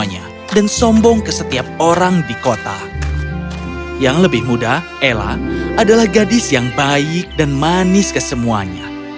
yang lebih muda ella adalah gadis yang baik dan manis ke semuanya